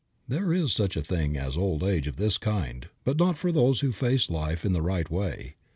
There is such a thing as an old age of this kind, but not for those who face life in the right way.